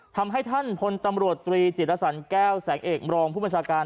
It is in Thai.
ทำให้ท่านพลตำรวจตรีจิตรสันแก้วแสงเอกมรองผู้บัญชาการ